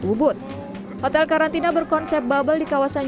ubud hotel karantina berkonsep bubble di kawasan